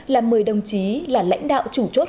là một mươi đồng chí là lãnh đạo chủ chốt